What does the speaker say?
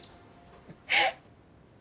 えっ！